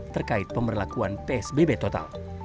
terkait pemberlakuan psbb total